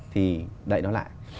thì đậy nó lại